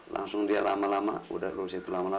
langsung dia lama lama udah ke situ lah